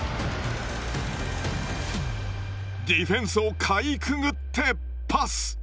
ディフェンスをかいくぐってパス。